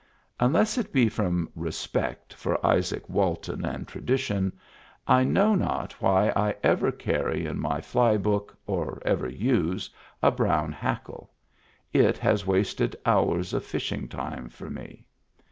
Unless it be from respect for Izaak Walton and tradition, I know not why I ever carry in my fly book, or ever use, a brown hackle ; it has wasted hours of fishing time for me.